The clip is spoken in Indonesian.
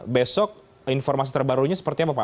besok informasi terbarunya seperti apa pak